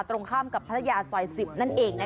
ตรงข้ามกับพัทยาสอย๑๐นั่นเองนะคะ